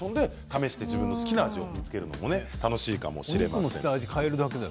試して自分の好きな味を見つけることも楽しいかもしれません。